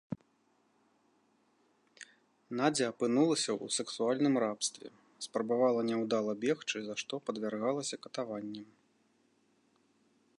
Надзя апынулася ў сексуальным рабстве, спрабавала няўдала бегчы, за што падвяргалася катаванням.